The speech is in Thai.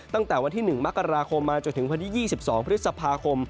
ตั้งแต่วันที่๑มกราคมมาจนถึงวันที่๒๒พฤษภาคม